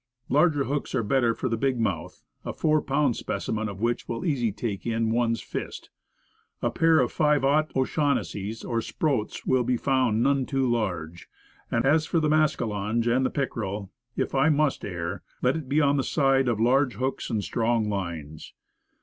Larger hooks are better for the big mouthed, a four pound specimen of which will easily take in one's fist. A pair of 5 0 O'Shaughnessys, or Sproats will be found none too large; and as for the mascalonge and pickerel, if I must err, let it be on the side of large hooks and strong lines.